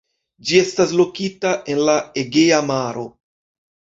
Ĝi estas lokita en la Egea Maro.